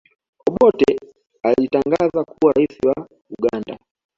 obote alijitangaza kuwa raisi wa uganda